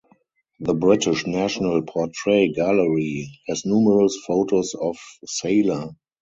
The British National Portrait Gallery has numerous photos of Seyler.